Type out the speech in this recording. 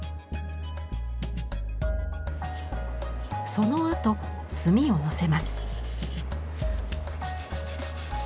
そのあと墨をのせます。